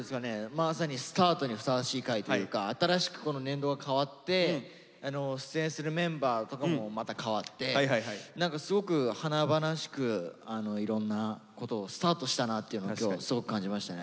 まさにスタートにふさわしい回というか新しく年度が変わって出演するメンバーとかもまた変わって何かすごく華々しくいろんなことをスタートしたなっていうのを今日すごく感じましたね。